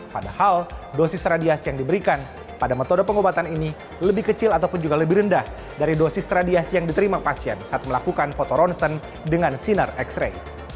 padahal dosis radiasi yang diberikan pada metode pengobatan ini lebih kecil ataupun juga lebih rendah dari dosis radiasi yang diterima pasien saat melakukan fotoronsen dengan sinar x ray